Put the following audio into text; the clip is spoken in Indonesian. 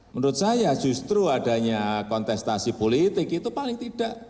menurut saya justru adanya kontestasi politik itu paling tidak